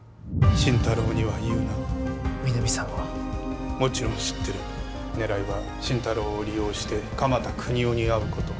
心太朗には言うな皆実さんはもちろん知ってる狙いは心太朗を利用して鎌田國士に会うこと